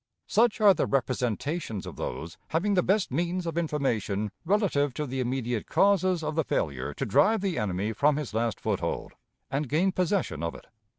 Such are the representations of those having the best means of information relative to the immediate causes of the failure to drive the enemy from his last foothold, and gain possession of it.